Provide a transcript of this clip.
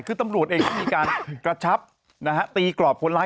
คือตำรวจเองมีการกระชับตีกลอบผลร้าย